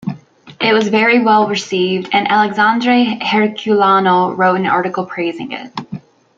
It was very well-received, and Alexandre Herculano wrote an article praising it.